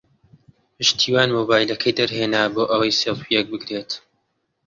پشتیوان مۆبایلەکەی دەرهێنا بۆ ئەوەی سێڵفییەک بگرێت.